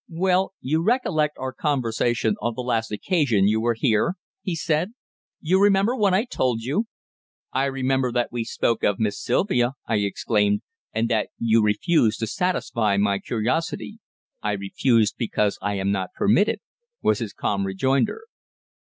"Well, you recollect our conversation on the last occasion you were here?" he said. "You remember what I told you?" "I remember that we spoke of Miss Sylvia," I exclaimed, "and that you refused to satisfy my curiosity." "I refused, because I am not permitted," was his calm rejoinder.